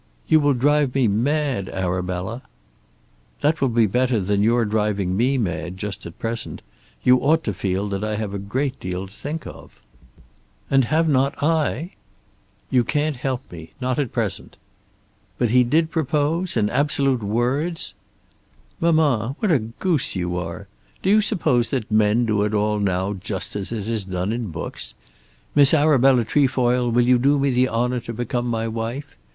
"You will drive me mad, Arabella." "That will be better than your driving me mad just at present. You ought to feel that I have a great deal to think of." "And have not I?" "You can't help me; not at present." "But he did propose, in absolute words?" "Mamma, what a goose you are! Do you suppose that men do it all now just as it is done in books? 'Miss Arabella Trefoil, will you do me the honour to become my wife?'